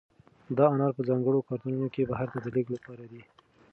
دا انار په ځانګړو کارتنونو کې بهر ته د لېږد لپاره دي.